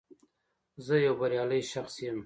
زه یو بریالی شخص یم